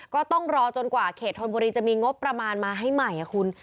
ก็ต้องรอจนกว่าเขตธนบุรีจะมีงบประมาณมาให้ใหม่คุณ